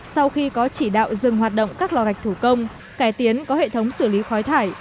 sau khi có chỉ đạo dừng hoạt động các lò gạch thủ công cải tiến có hệ thống xử lý khói thải